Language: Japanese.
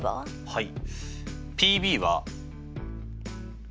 はい。